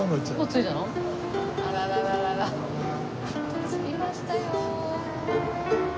着きましたよ。